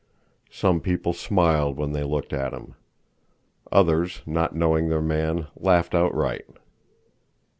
Some people smiled when they looked at him. Others, not knowing their man, laughed outright.